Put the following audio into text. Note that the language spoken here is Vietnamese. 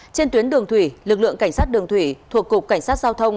trên tuyến đường thủy lực lượng cảnh sát đường thủy thuộc cục cảnh sát giao thông